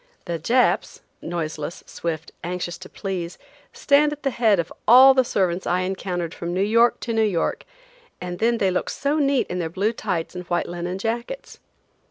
The "Japs," noiseless, swift, anxious to please, stand at the head of all the servants I encountered from New York to New York; and then they look so neat in their blue tights and white linen jackets.